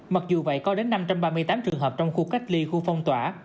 mặc dù vậy có đến năm trăm ba mươi tám trường hợp trong khu cách ly khu phong tỏa